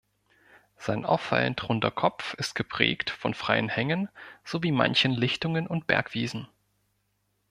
Sein auffallend runder Kopf ist geprägt von freien Hängen sowie manchen Lichtungen und Bergwiesen.